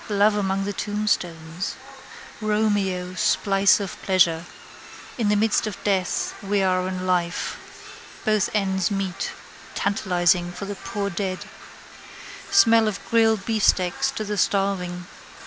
Love among the tombstones. Romeo. Spice of pleasure. In the midst of death we are in life. Both ends meet. Tantalising for the poor dead. Smell of grilled beefsteaks to the starving.